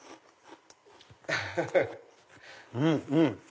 うんうん！